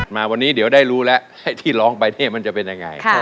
มาวันนี้เดี๋ยวได้รู้แล้วไอ้ที่ร้องไปเนี่ยมันจะเป็นยังไง